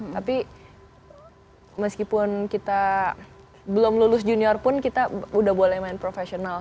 tapi meskipun kita belum lulus junior pun kita udah boleh main profesional